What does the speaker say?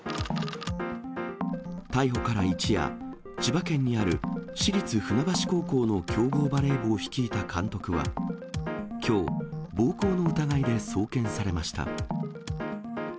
逮捕から一夜、千葉県にある市立船橋高校の強豪バレー部を率いた監督は、きょう、暴行の疑いで送検されました。